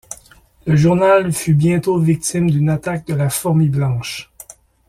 Le journal fut bientôt victime d'une attaque de la Fourmi Blanche.